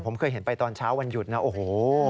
ผมเคยเห็นไปตอนเช้าวันหยุดนะโอ้โห